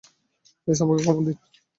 Please আমাকে ক্ষমা করে দিন।